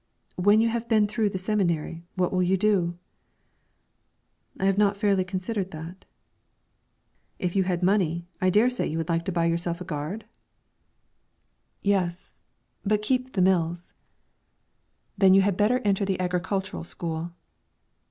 "When you have been through the seminary, what will you do?" "I have not fairly considered that." "If you had money, I dare say you would like to buy yourself a gard?" "Yes, but keep the mills." "Then you had better enter the agricultural school."